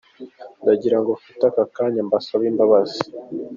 Ndagira ngo mfate aka kanya mbasabe imbabazi.